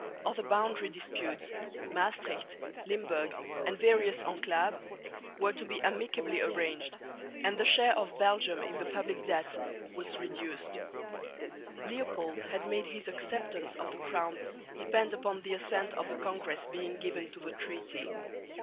Other boundary disputes (Maestricht, Limburg and various enclaves) were to be amicably arranged, and the share of Belgium in the public debt was reduced. Leopold had made his acceptance of the crown depend upon the assent of the Congress being given to the Treaty.